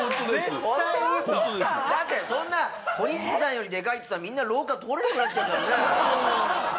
だってそんな小錦さんよりでかいっつったらみんな廊下通れなくなっちゃうじゃんね。